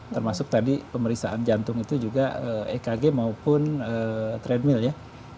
termasuk tadi pemeriksaan jantung itu juga ekg maupun tradwill ya